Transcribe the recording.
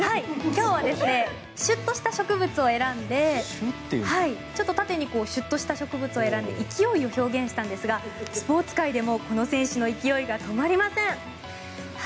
今日はシュッとした植物を選んでちょっと縦にシュッとした植物を選んで勢いを表現したんですがスポーツ界でもこの選手の勢いが止まりません。